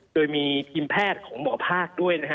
โดยมีทีมแพทย์ของหมอภาคด้วยนะฮะ